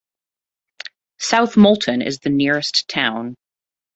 South Molton is the nearest town.